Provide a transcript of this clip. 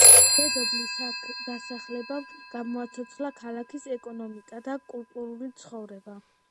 დედოფლის აქ დასახლებამ გამოაცოცხლა ქალაქის ეკონომიკა და კულტურული ცხოვრება.